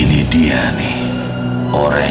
tuhan ada kailangan tingkat